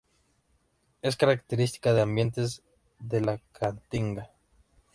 Es característica de ambientes de la caatinga.